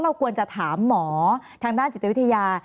ควรจะถามหมอทางด้านจิตวิทยา